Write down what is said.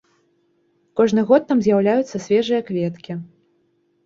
Кожны год там з'яўляюцца свежыя кветкі.